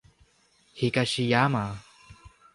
Higashiyama.